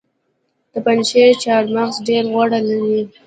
د پنجشیر چهارمغز ډیر غوړ لري.